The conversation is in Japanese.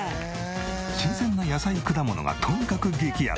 新鮮な野菜果物がとにかく激安！